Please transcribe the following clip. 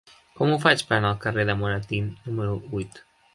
Com ho faig per anar al carrer de Moratín número vuit?